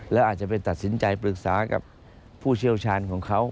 แล้วอาจจะไปตัดสินใจปรึกษากับผู้เชี่ยวชาญของเขา